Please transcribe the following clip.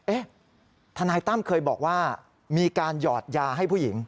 ทนายตั้มเคยบอกว่ามีการหยอดยาให้ผู้หญิง